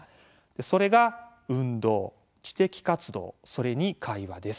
それが運動知的活動それに会話です。